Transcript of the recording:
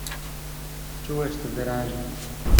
"Czułeś to wyraźnie."